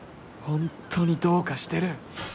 ホントにどうかしてる！